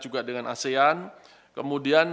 juga dengan asean kemudian